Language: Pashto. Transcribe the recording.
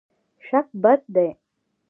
شک بد دی.